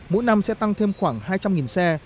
mỗi năm sẽ tăng thêm khoảng hai trăm linh xe